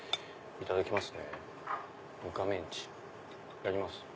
いただきます。